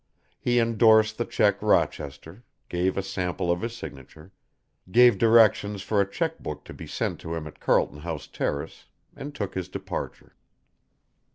He endorsed the cheque Rochester, gave a sample of his signature, gave directions for a cheque book to be sent to him at Carlton House Terrace, and took his departure.